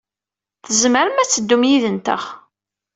Tzemrem ad teddum yid-nteɣ.